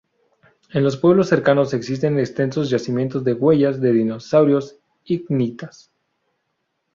En los pueblos cercanos existen extensos yacimientos de huellas de dinosaurios-icnitas.